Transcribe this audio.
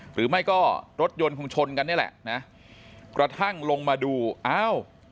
หรือไม่ก็รถยนต์คงชนกันนี่แหละนะกระทั่งลงมาดูอ้าว